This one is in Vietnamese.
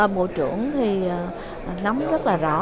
bộ trưởng thì nắm rất là rõ